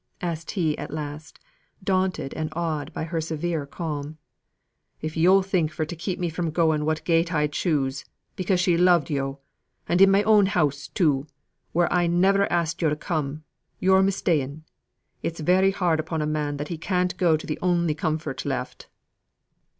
asked he at last, daunted and awed by her severe calm. "If yo' think for to keep me from going what gait I choose, because she loved yo' and in my own house, too, where I never asked yo' to come, yo're mista'en. It's very hard upon a man that he can't go to the only comfort left."